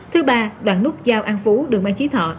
thứ ba đoạn nút giao an phú đường mai chí thọ